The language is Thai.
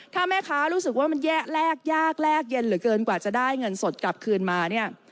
ถ้าแม่ค้ารู้สึกว่ามันแลกยากแลกเย็นเหลือเกินกว่าจะได้เงินสดกลับคืนมาเนี่ย